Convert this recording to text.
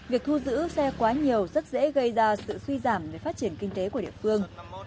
việc thu giữ xe quá nhiều rất dễ gây ra sự suy giảm để phát triển kinh tế của địa phương